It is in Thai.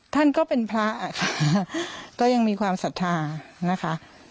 ท่านก็เป็นพระค่ะก็ยังมีความศรัทธานะคะ